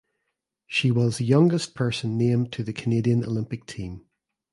She was the youngest person named to the Canadian Olympic team.